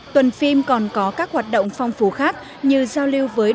tuần phim còn có các hoạt động phong phú khác như giao lưu với đồng hành